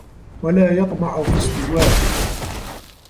وَلَا يَطْمَعُ فِي اسْتِوَاءٍ